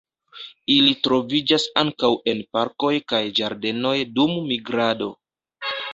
Ili troviĝas ankaŭ en parkoj kaj ĝardenoj dum migrado.